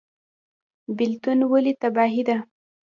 بیلتون ولې تباهي ده؟